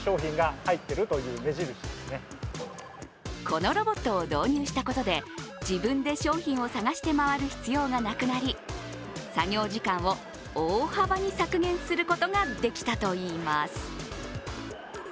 このロボットを導入したことで自分で商品を探して回る必要がなくなり作業時間を大幅に削減することができたといいます。